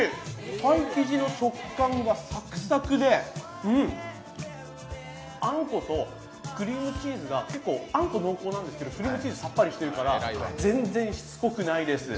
パイ生地の食感がサクサクで、あんことクリームチーズが、結構あんこ濃厚なんですけど、クリームチーズさっぱりしてるから全然しつこくないです。